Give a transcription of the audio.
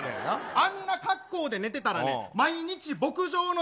あんな格好で寝てたらね、そうやな。